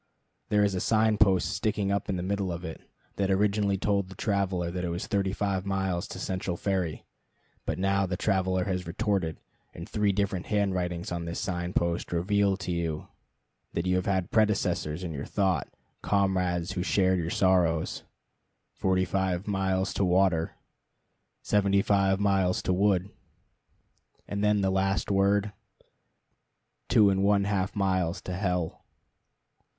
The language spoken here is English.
There is a sign post sticking up in the middle of it, that originally told the traveler it was thirty five miles to Central Ferry. But now the traveler has retorted; and three different hand writings on this sign post reveal to you that you have had predecessors in your thought, comrades who shared your sorrows: Forty five miles to water. Seventy five miles to wood. And then the last word: Two and one half miles to hell.